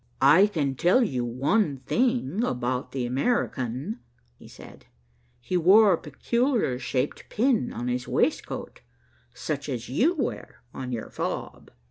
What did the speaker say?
"I can tell you one thing about the American," he said. "He wore a peculiar shaped pin on his waistcoat, such as you wear on your fob."